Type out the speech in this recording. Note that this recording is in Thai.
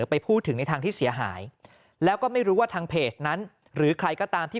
ไปพูดถึงในทางที่เสียหายแล้วก็ไม่รู้ว่าทางเพจนั้นหรือใครก็ตามที่